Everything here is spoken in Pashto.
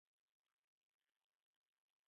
پښتو ژبه ډېره لرغونې مخینه لري.